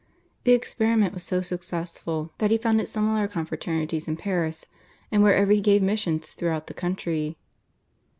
The experiment was so successful that he founded similar confraternities in Paris, and wherever he gave missions throughout the country.